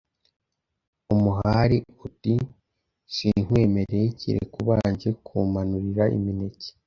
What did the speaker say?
Umuhali uti sinkwemereye, kereka ubanje kumanurira imineke,